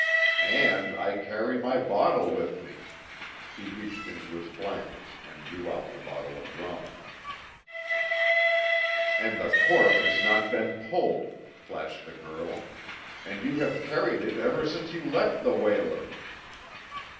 "And, I carry my bottle with me." He reached into his blankets and drew out the bottle of rum. "And the cork has not been pulled," flashed the girl, "And you have carried it ever since you left the whaler."